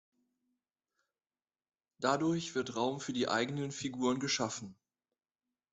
Dadurch wird Raum für die eigenen Figuren geschaffen.